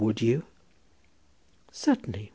Would you?" "Certainly.